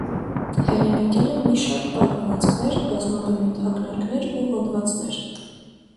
Հեղինակել է մի շարք պատմվածքներ, բազմաբնույթ ակնարկներ ու հոդվածներ։